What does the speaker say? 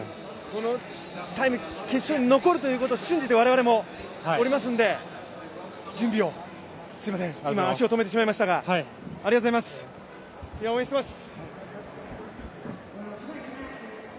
このタイム、決勝に残るということを我々も信じておりますので準備を、すいません、今、足を止めてしまいましたが、ありがとうございます、応援してます。